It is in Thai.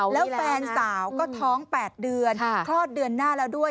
แล้วแฟนสาวก็ท้อง๘เดือนคลอดเดือนหน้าแล้วด้วย